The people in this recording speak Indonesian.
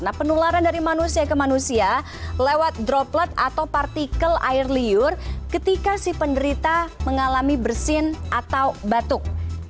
nah penularan dari manusia ke manusia lewat droplet atau partikel air liur ketika si penderita mengalami bersin atau batuk